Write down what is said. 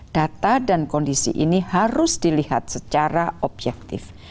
data dan kondisi ini harus dilihat secara objektif